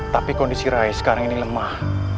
tapi kondisi rai sekarang ini lemah